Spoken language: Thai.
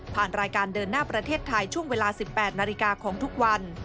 รายการเดินหน้าประเทศไทยช่วงเวลา๑๘นาฬิกาของทุกวัน